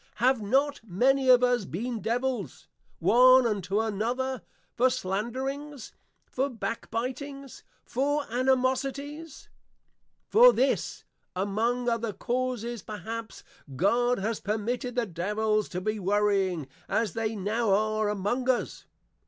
Have not many of us been Devils one unto another for Slanderings, for Backbitings, for Animosities? For this, among other causes, perhaps, God has permitted the Devils to be worrying, as they now are, among us.